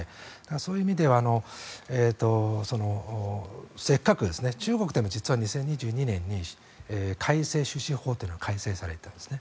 そういう意味でせっかく中国でも実は２０２２年に改正種子法が改正されたんですね。